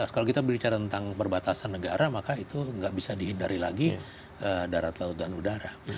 kalau kita bicara tentang perbatasan negara maka itu nggak bisa dihindari lagi darat laut dan udara